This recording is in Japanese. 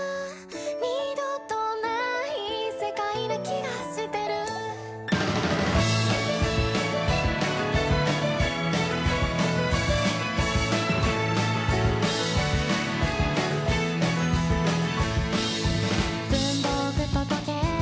「二度とない世界な気がしてる」「文房具と時計